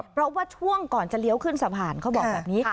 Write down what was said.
เพราะว่าช่วงก่อนจะเลี้ยวขึ้นสะพานเขาบอกแบบนี้